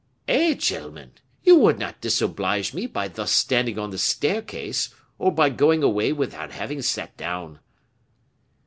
"Eh, gentlemen! you would not disoblige me by thus standing on the staircase, or by going away without having sat down."